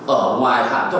ở ngoài hãng cho mai tiền